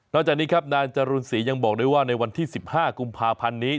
จากนี้ครับนางจรูนศรียังบอกด้วยว่าในวันที่๑๕กุมภาพันธ์นี้